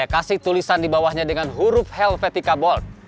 kasih tulisan di bawahnya dengan huruf helvetica bolt